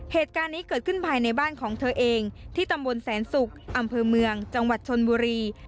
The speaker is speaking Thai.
เหตุการณ์นี้เกิดขึ้นภายในบ้านของเธอเองที่ตำบลแสนศุกร์อำเภอเมืองจังหวัดชนบุรี